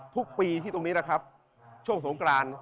ทุกปีที่ตรงนี้นะครับช่วงสงกราน